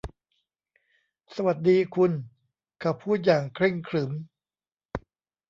สวัสดีคุณ เขาพูดอย่างเคร่งขรึม